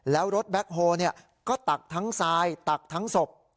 แล้วรถแบ็คโฮก็ตักทั้งทรายตักทั้งศพ